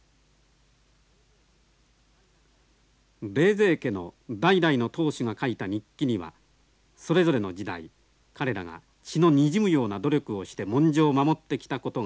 冷泉家の代々の当主が書いた日記にはそれぞれの時代彼らが血のにじむような努力をして文書を守ってきたことが記されています。